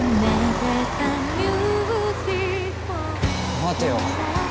待てよ。